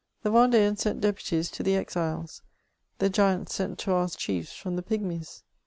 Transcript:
The Yendeans sent deputies to the Exiles — the ^ants sent to ask chiefs from the pygmies.